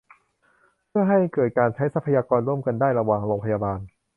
เพื่อให้เกิดการใช้ทรัพยากรร่วมกันได้ระหว่างโรงพยาบาล